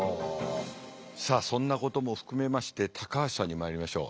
さあそんなことも含めまして高橋さんにまいりましょう。